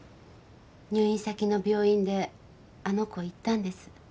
入院先の病院であの子言ったんです。